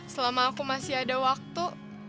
selama aku masih ada waktu